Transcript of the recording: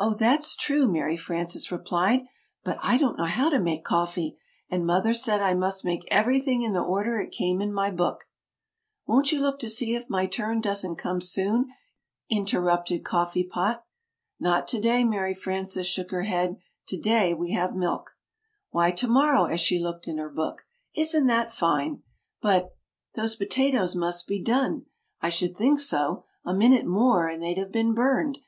"Oh, that's true," Mary Frances replied, "but I don't know how to make coffee, and Mother said I must make everything in the order it came in my book " "Won't you look to see if my turn doesn't come soon?" interrupted Coffee Pot. [Illustration: "See if my turn doesn't come soon?"] "Not to day," Mary Frances shook her head. "To day we have milk. [Illustration: "To day we have milk."] "Why, to morrow!" as she looked in her book. "Isn't that fine! But those potatoes must be done. I should think so! A minute more, and they'd have been burned!"